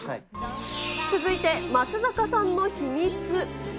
続いて松坂さんの秘密。